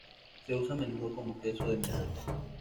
Se usa a menudo como queso de mesa.